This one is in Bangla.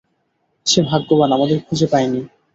সে ভাগ্যবান, আমাদের খুঁজে পায়নি।